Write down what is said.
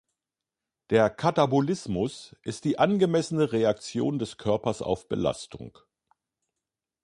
Der Katabolismus ist die angemessene Reaktion des Körpers auf Belastung.